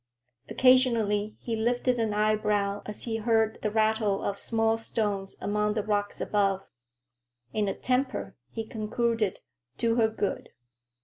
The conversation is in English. Occasionally he lifted an eyebrow as he heard the rattle of small stones among the rocks above. "In a temper," he concluded; "do her good."